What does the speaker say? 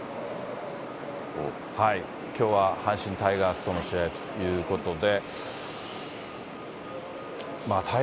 きょうは阪神タイガースとの試合ということで。